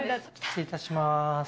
失礼いたします。